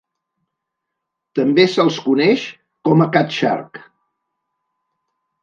També se'ls coneix com a "catshark".